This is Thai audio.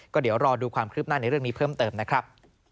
ก็เดี๋ยวรอดูความคืบหน้าในเรื่องนี้เพิ่มเติมนะครับ